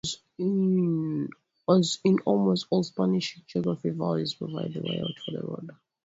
As in almost all Spanish geography, valleys provide the layout for the road.